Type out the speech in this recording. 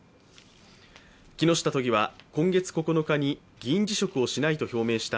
木下都議は今月９日に議員辞職をしないと表明した